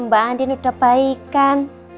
mbak andin sudah baik kan